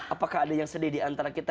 apakah ada yang sedih diantara kita